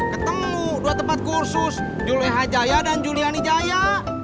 ketemu dua tempat kursus julie hajaya dan juliani jaya